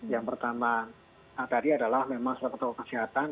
yang pertama tadi adalah memang sebagai tokoh kesehatan